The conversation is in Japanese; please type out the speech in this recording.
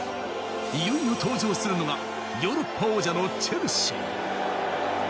いよいよ登場するのがヨーロッパ王者のチェルシー。